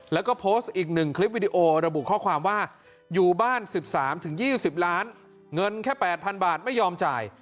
แล้วก็โพสต์อีก๑คลิปวิดีโอระบุข้อความว่าอยู่บ้าน๑๓๒๐ล้านเงินแค่๘๐๐๐บาทไม่ยอมจ่าย